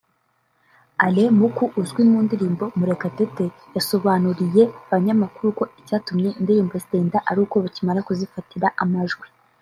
Alain Muku uzwi mu ndirimbo Murakatete yasobanuriya abanyamakuru ko icyatumye indirimbo zitinda aruko bakimara kuzifatira amajwi (Recording)